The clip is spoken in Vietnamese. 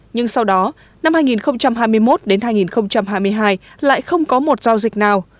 nhưng sau đó năm hai nghìn hai mươi một đến hai nghìn hai mươi hai lại không có một giao dịch nào